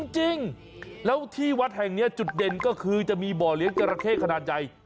จริงแล้วที่วัดแห่งนี้จุดเด่นก็คือจะมีบ่อเลี้ยงจราเข้ขนาดใหญ่